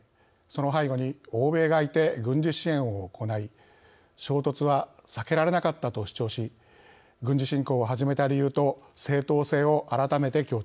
その背後に欧米がいて軍事支援を行い衝突は避けられなかったと主張し軍事侵攻を始めた理由と正当性を改めて強調しました。